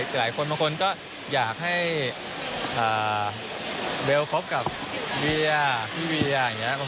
หลายคนบางคนก็อยากให้เบลคบกับเบียร์พี่เวียอย่างนี้